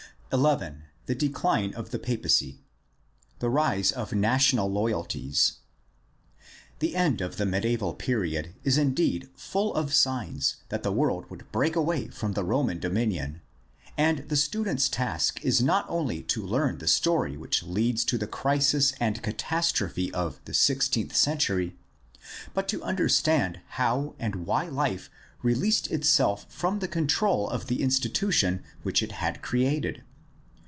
XI. THE DECLINE OF THE PAPACY The rise of national loyalties. — The end of the mediaeval period is indeed full of signs that the world would break away from the Roman dominion, and the student's task is not only to learn the story which leads to the crisis and catastrophe of the sixteenth century but to understand how and why life released itself from the control of the institution which it had created.